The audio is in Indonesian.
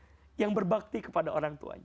maka siapapun kita yang berbakti kepada orang tuanya